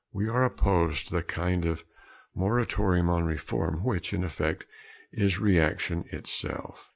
We are opposed to the kind of moratorium on reform which, in effect, is reaction itself.